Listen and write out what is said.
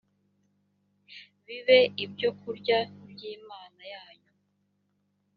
bibe ibyo kurya by imana yanyu